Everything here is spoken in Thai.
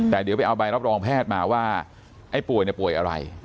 แต่เดี๋ยวไปเอาใบรับรองแพทย์มาว่าไอ้ป่วยเนี่ยป่วยอะไร